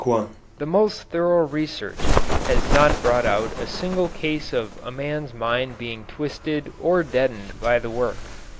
The most thorough research has not brought out a single case of a man's mind being twisted or deadened by the work.